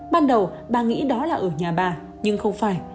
ban đầu bà nghĩ đó là ở nhà bà nhưng không phải